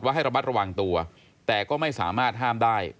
ให้ระมัดระวังตัวแต่ก็ไม่สามารถห้ามได้